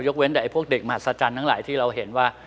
เว้นแต่พวกเด็กมหัศจรรย์ทั้งหลายที่เราเห็นว่า